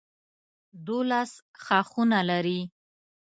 دولس ښاخونه لري.